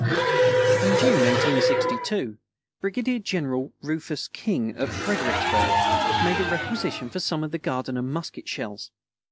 In June, 1862, Brigadier General Rufus King, at Fredericksburg, made a requisition for some of the Gardiner musket shells.